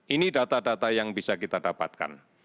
ini data data yang bisa kita dapatkan